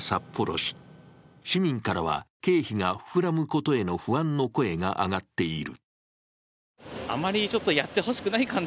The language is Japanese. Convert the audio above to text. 市民からは、経費が膨らむことへの不安の声が上がっている。